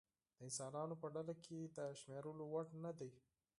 د انسانانو په ډله کې د شمېرلو وړ نه دی.